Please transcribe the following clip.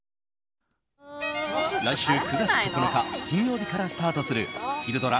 来週９月９日金曜日からスタートするひるドラ！